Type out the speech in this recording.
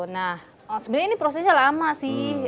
nah sebenarnya ini prosesnya lama sih